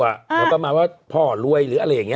แล้วก็มาว่าพ่อรวยหรืออะไรอย่างนี้